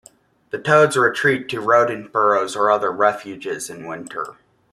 The toads retreat to rodent burrows or other refuges in winter.